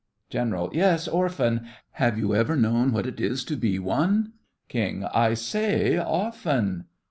GENERAL: Yes, orphan. Have you ever known what it is to be one? KING: I say, often.